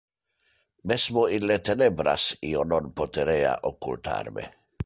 Mesmo in le tenebras io non poterea occultar me.